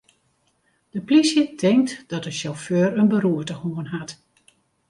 De plysje tinkt dat de sjauffeur in beroerte hân hat.